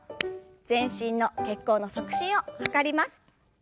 全身の血行の促進を図ります。